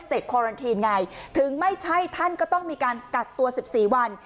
เซ็ตคอรันทีนไงถึงไม่ใช่ท่านก็ต้องมีการกัดตัวสิบสี่วัน